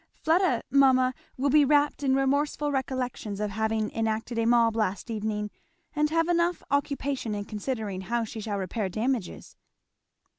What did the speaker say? "Fleda, mamma, will be wrapped in remorseful recollections of having enacted a mob last evening and have enough occupation in considering how she shall repair damages."